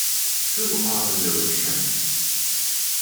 Who are the militia?